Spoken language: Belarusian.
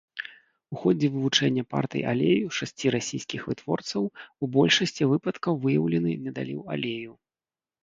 У ходзе вывучэння партый алею шасці расійскіх вытворцаў у большасці выпадкаў выяўлены недаліў алею.